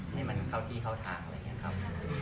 ให้มันเข้าที่เข้าทางอะไรอย่างนี้ครับ